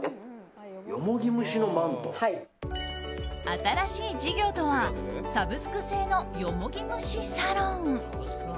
新しい事業とはサブスク制のよもぎ蒸しサロン。